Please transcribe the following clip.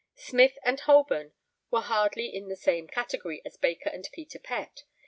' Smyth and Holborn were hardly in the same category as Baker and Peter Pett.